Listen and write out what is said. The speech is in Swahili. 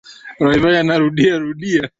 Zaidi ya yote utabaki kuwa Mungu.